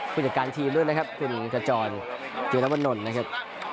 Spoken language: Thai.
ฝึกการทีมเลยนะครับทุ่นตาจอร์ทุ่นอับวัดหน่วยนะครับ